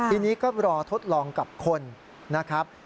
ทีนี้ก็รอทดลองกับคนนะครับ